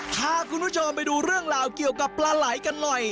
พาคุณผู้ชมไปดูเรื่องราวเกี่ยวกับปลาไหลกันหน่อย